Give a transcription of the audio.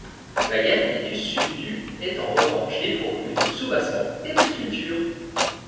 La galerie du sud du est en revanche dépourvue de soubassement et de sculptures.